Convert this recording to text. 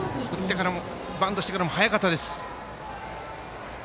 バントしてからも速かったです。